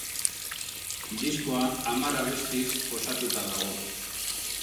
Diskoa hamar abestiz osatuta dago.